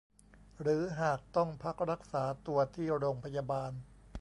หรือหากต้องพักรักษาตัวที่โรงพยาบาล